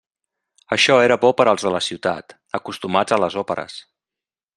Això era bo per als de la ciutat, acostumats a les òperes.